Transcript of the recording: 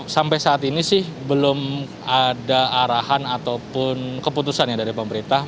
sampai saat ini sih belum ada arahan ataupun keputusan ya dari pemerintah